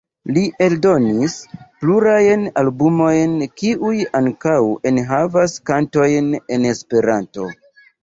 Li eldonis plurajn albumojn kiuj ankaŭ enhavas kantojn en Esperanto.